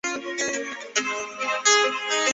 台湾梭罗为梧桐科梭罗树属下的一个种。